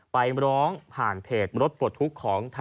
ไปร้องผ่านเพจรถปลดทุกข์ของ